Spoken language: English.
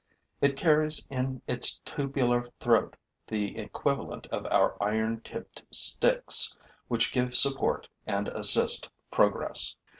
It carries in its tubular throat the equivalent of our iron tipped sticks which give support and assist progress.